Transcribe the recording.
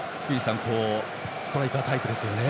ストライカータイプですよね。